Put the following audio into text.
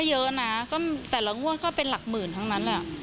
เยอะนะก็แต่ละงวดก็เป็นหลักหมื่นทั้งนั้นแหละ